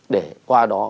để qua đó